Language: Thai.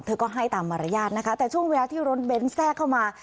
ก็ให้ตามมารยาทนะคะแต่ช่วงเวลาที่รถเบนท์แทรกเข้ามา